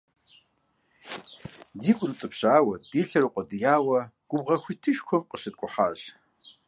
Ди гур утӀыпщауэ, ди лъэр укъуэдияуэ губгъуэ хуитышхуэхэм къыщыткӀухьащ.